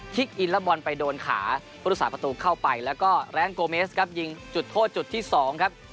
อินแล้วบอลไปโดนขาพุทธศาสตประตูเข้าไปแล้วก็แรงโกเมสครับยิงจุดโทษจุดที่๒ครับ